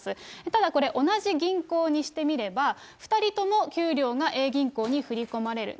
ただこれ、同じ銀行にしてみれば、２人とも給料がＡ銀行に振り込まれる。